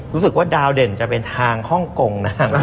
รู้สึกว่าดาวเด่นจะเป็นทางฮ่องกง